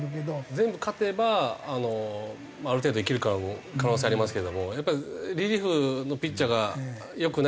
全部勝てばある程度いける可能性ありますけどもやっぱりリリーフのピッチャーが良くないので。